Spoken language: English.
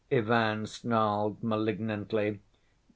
Ivan snarled malignantly.